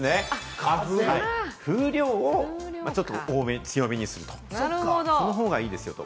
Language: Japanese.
風量をちょっと強めにする、その方がいいですよと。